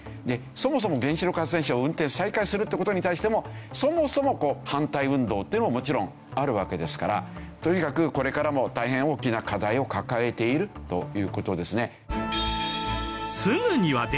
そもそも原子力発電所を運転再開するって事に対してもそもそも反対運動というのももちろんあるわけですからとにかくこれからも大変大きな課題を抱えているという事ですね。